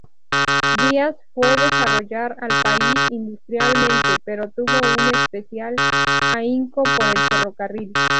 Díaz fue desarrollar al país industrialmente, pero tuvo un especial ahínco por el ferrocarril.